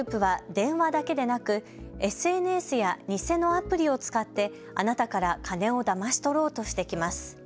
犯行グループは電話だけでなくＳＮＳや偽のアプリを使ってあなたから金をだまし取ろうとしてきます。